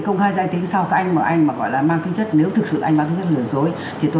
công khai danh tính sau các anh mà anh mà gọi là mang tính chất nếu thực sự anh mang tính chất lừa dối thì tôi